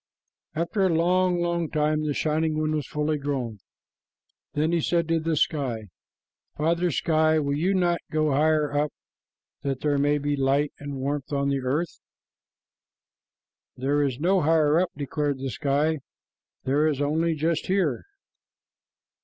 After a long, long time, the Shining One was fully grown. Then he said to the sky, "Father Sky, will you not go higher up, that there may be light and warmth on the earth?" "There is no 'higher up,'" declared the sky. "There is only just here."